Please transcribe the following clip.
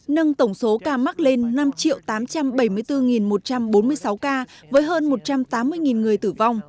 nâng tổng số ca mắc lên năm tám trăm bảy mươi bốn một trăm bốn mươi sáu ca với hơn một trăm tám mươi người tử vong